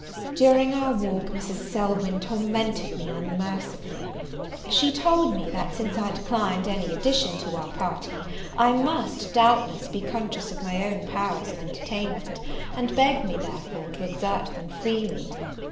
During our walk, Mrs. Selvyn tormented me unmercifully. She told me, that since I declined any addition to our party, I must, doubtless, be conscious of my own powers of entertainment; and begged me, therefore, to exert them freely.